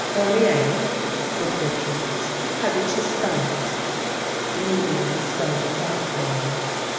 "Fournier?" said Richards. "How did she spell it? " The medium spelled it out for him.